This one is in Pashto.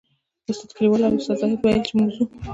استاد کلیوال او استاد زاهد ویل چې موږ ځو.